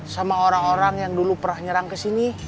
sama orang orang yang dulu pernah nyerang kesini